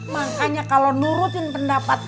makanya kalau menurut pendapat emak